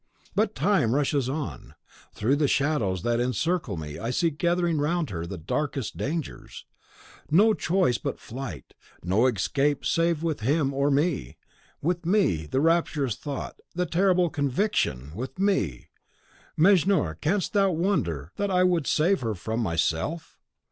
But time rushes on! Through the shadows that encircle me, I see, gathering round her, the darkest dangers. No choice but flight, no escape save with him or me. With me! the rapturous thought, the terrible conviction! With me! Mejnour, canst thou wonder that I would save her from myself?